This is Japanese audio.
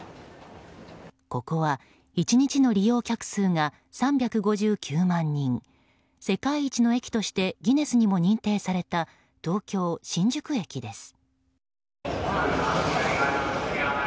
ここは１日の利用客数が３５９万人世界一の駅としてギネスにも認定された東京・新宿駅です。